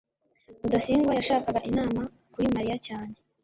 rudasingwa yashakaga inama kuri mariya cyane